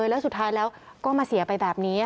แล้วสุดท้ายแล้วก็มาเสียไปแบบนี้